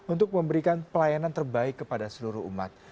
untuk memberikan pelayanan terbaik kepada seluruh umat